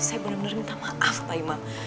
saya benar benar minta maaf pak imam